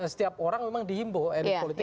setiap orang memang dihimbau elit politik